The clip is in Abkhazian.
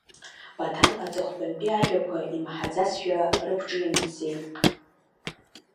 Баҭал аҵыхәтәантәи ажәақәа имаҳаӡазшәа рықәҿимҭӡеит.